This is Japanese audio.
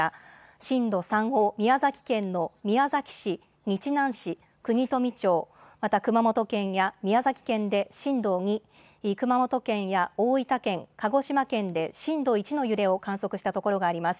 震度３を宮崎県の宮崎市、日南市、国富町、また熊本県や宮崎県で震度２、熊本県や大分県、鹿児島県で震度１の揺れを観測した所があります。